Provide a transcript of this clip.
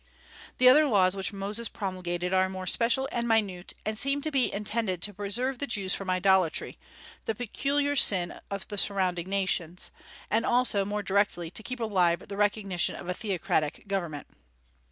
The other laws which Moses promulgated are more special and minute, and seem to be intended to preserve the Jews from idolatry, the peculiar sin of the surrounding nations; and also, more directly, to keep alive the recognition of a theocratic government.